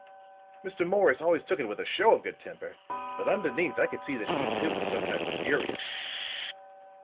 Mr. Morris always took it with a show of good temper; but underneath I could see that he too was sometimes furious."